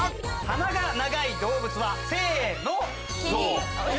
⁉鼻が長い動物は？せの！